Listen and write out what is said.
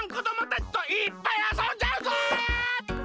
たちといっぱいあそんじゃうぞ！